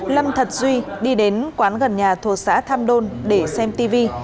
lâm thật duy đi đến quán gần nhà thuộc xã tham đôn để xem tv